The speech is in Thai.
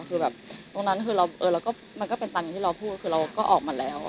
คือแบบตรงนั้นคือเราก็มันก็เป็นตามอย่างที่เราพูดคือเราก็ออกมาแล้ว